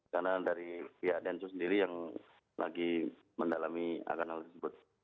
karena dari pihak densu sendiri yang lagi mendalami agar hal tersebut